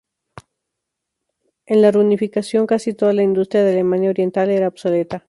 En la reunificación casi toda la industria de Alemania Oriental era obsoleta.